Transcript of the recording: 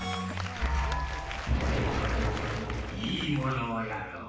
いいものをやろう。